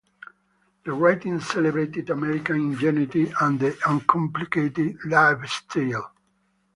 The writing celebrated American ingenuity and the uncomplicated lifestyle.